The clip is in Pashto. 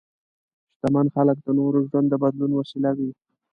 شتمن خلک د نورو ژوند د بدلون وسیله وي.